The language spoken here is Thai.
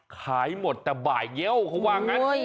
ขายหมดแต่บ่ายเงี้ยวเขาว่างั้น